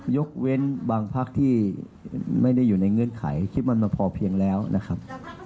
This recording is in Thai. ยกเว้นบางพักที่ไม่ได้อยู่ในเงื่อนไขคิดมันมาพอเพียงแล้วนะครับ